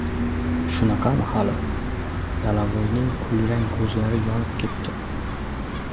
— Shunaqami, hali! — Dalavoyning kulrang ko‘zlari yonib ketdi.